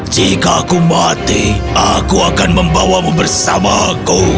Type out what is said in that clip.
jika aku mati aku akan membawamu bersamaku